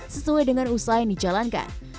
sesuai dengan usaha yang dijalankan